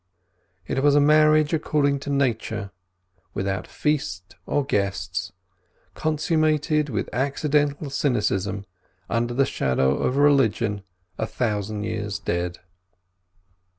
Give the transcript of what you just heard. It was a marriage according to Nature, without feast or guests, consummated with accidental cynicism under the shadow of a religion a thousand years dead.